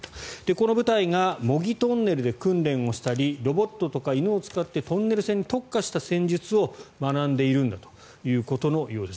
この部隊が模擬トンネルで訓練をしたりロボットとか犬を使ってトンネル戦に特化した戦術を学んでいるんだということのようです。